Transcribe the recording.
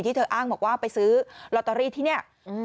เธออ้างบอกว่าไปซื้อลอตเตอรี่ที่นี่